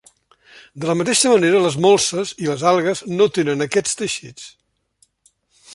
De la mateixa manera les molses i les algues no tenen aquests teixits.